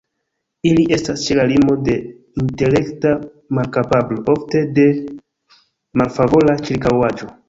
Ili estas ĉe la limo de intelekta malkapablo, ofte de malfavora ĉirkaŭaĵo.